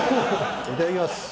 いただきます。